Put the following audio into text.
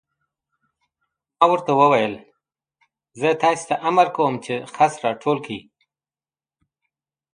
ما ورته وویل: زه تاسې ته امر کوم چې خس را ټول کړئ.